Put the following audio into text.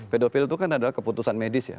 pedofil itu kan adalah keputusan medis ya